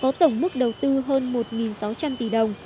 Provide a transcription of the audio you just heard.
có tổng mức đầu tư hơn một sáu trăm linh tỷ đồng